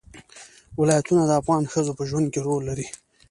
ولایتونه د افغان ښځو په ژوند کې رول لري.